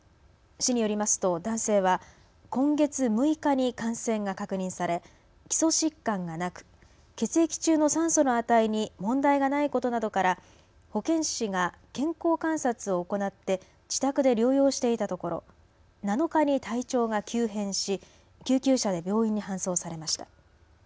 市によりますと男性は今月６日に感染が確認され基礎疾患がなく血液中の酸素の値に問題がないことなどから保健師が健康観察を行って自宅で療養していたところ７日に体調が急変し救急車で病院に搬送されました。